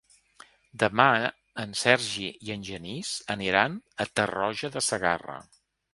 Demà en Sergi i en Genís aniran a Tarroja de Segarra.